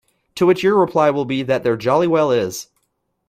To which your reply will be that there jolly well is.